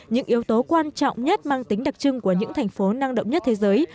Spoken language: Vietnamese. những yếu tố quan trọng nhất mang tính đặc trưng của những thành phố năng động nhất thế giới